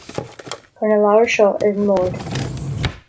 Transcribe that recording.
Cuir na leabhair seo ar an mbord